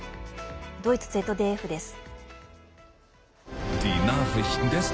ドイツＺＤＦです。